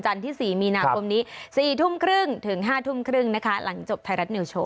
ที่๔มีนาคมนี้๔ทุ่มครึ่งถึง๕ทุ่มครึ่งนะคะหลังจบไทยรัฐนิวโชว